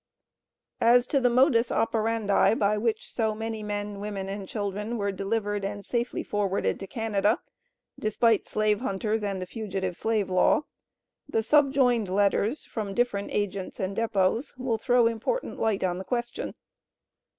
As to the modus operandi by which so many men, women and children were delivered and safely forwarded to Canada, despite slave hunters and the fugitive slave law, the subjoined letters, from different agents and depots, will throw important light on the question.